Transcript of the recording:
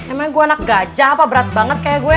emang gue anak gajah apa berat banget kayak gue